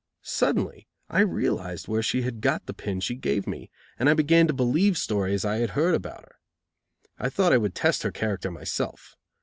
Suddenly I realized where she had got the pin she gave me; and I began to believe stories I had heard about her. I thought I would test her character myself.